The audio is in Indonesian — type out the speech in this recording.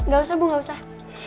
gak usah bu nggak usah